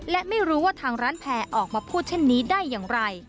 และไม่รู้ว่าทางร้านแพร่ออกมาพูดเช่นนี้ได้อย่างไร